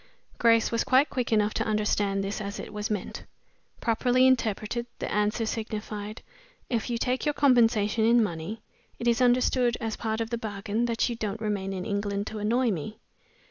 Grace was quite quick enough to understand this as it was meant. Properly interpreted, the answer signified "If you take your compensation in money, it is understood, as part of the bargain that you don't remain in England to annoy me."